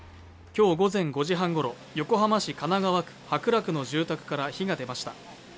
きょう午前５時半ごろ横浜市神奈川区白楽の住宅から火が出ました